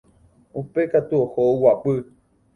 Upéi katu oho oguapy